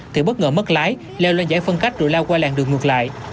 thì bất ngờ mất lái leo lên giải phân cách rồi lao qua làng đường ngược lại